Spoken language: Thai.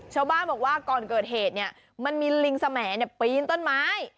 ชาวบ้านบอกว่าก่อนเกิดเหตุเนี่ยมันมีลิงสมัยปีนต้นไม้